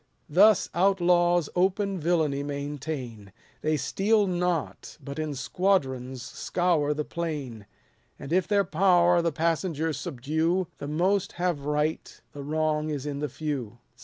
Thus outlaws open villainy maintain, They steal not, but in squadrons scour the plain ; And if their power the passengers subdue, The most have right, the wrong is in the few.